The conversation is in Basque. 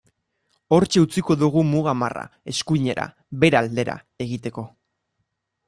Hortxe utziko dugu muga marra, eskuinera, Bera aldera, egiteko.